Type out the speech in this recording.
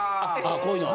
こういうの？